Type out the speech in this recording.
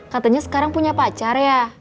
katanya sekarang punya pacar ya